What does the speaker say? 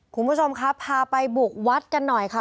คุณผู้ชมครับพาไปบุกวัดกันหน่อยค่ะ